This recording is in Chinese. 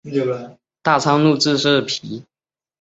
末端跨越牛稠溪接万丹乡大昌路至社皮。